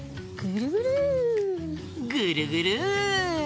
ぐるぐる！